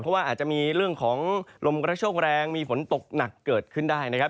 เพราะว่าอาจจะมีเรื่องของลมกระโชคแรงมีฝนตกหนักเกิดขึ้นได้นะครับ